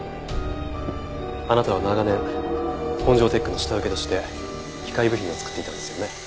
あなたは長年本城テックの下請けとして機械部品を作っていたんですよね。